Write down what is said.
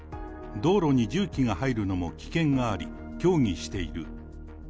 道路に重機が入るのも危険があり、協議している。